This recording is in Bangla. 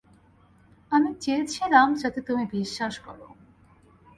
আমি চেয়েছিলাম যাতে তুমি বিশ্বাস করো।